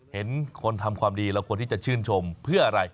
เห็นคนทำความดีแล้วคนที่จะชื่นชมเพื่ออะไร